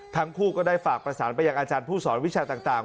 ทั้งคู่ก็ได้ฝากประสานไปยังอาจารย์ผู้สอนวิชาต่าง